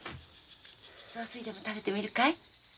雑炊でも食べてみるかい？